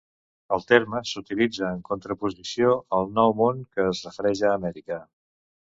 El terme s'utilitza en contraposició al Nou Món que es refereix a Amèrica.